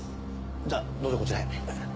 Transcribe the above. じゃどうぞこちらへ。